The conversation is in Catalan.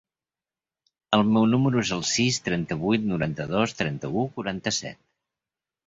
El meu número es el sis, trenta-vuit, noranta-dos, trenta-u, quaranta-set.